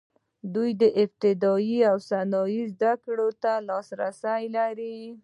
دوی ابتدايي او ثانوي زده کړې ته لاسرسی لري.